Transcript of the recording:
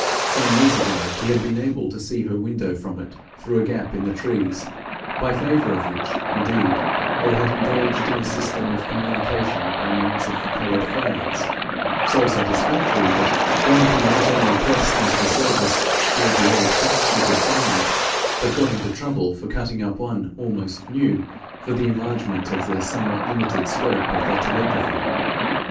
Some years ago he had been able to see her window, from it through a gap in the trees, by favour of which, indeed, they had indulged in a system of communications by means of coloured flags so satisfactory that Dorothy not only pressed into the service all the old frocks she could find, but got into trouble by cutting up one almost new for the enlargement of the somewhat limited scope of their telegraphy.